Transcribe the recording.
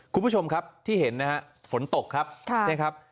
คุณผู้ชมครับที่เห็นนะฮะฝนตกครับ